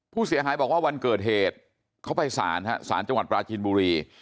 ผู้เสียหายบอกว่าวันเกิดเหตุเขาไปศาลศาลจังหวัดปราจีนบุรี